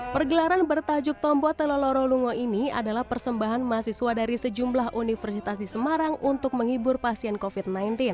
pergelaran bertajuk tomboa telolorolungo ini adalah persembahan mahasiswa dari sejumlah universitas di semarang untuk menghibur pasien covid sembilan belas